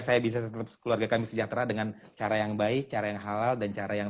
saya bisa keluarga kami sejahtera dengan cara yang baik cara yang halal dan cara yang